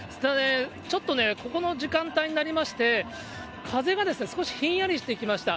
ちょっとね、ここの時間帯になりまして、風が少しひんやりしてきました。